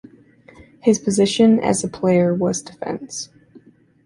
His position as a player was defence.